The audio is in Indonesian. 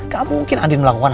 gak mungkin andi melakukan